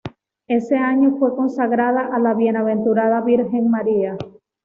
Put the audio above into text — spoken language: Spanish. Ese año fue consagrada a la Bienaventurada Virgen María.